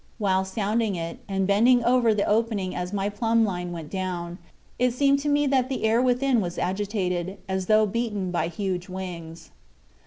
While sounding it, and bending over the opening as my plumb line went down, it seemed to me that the air within was agitated, as though beaten by huge wings."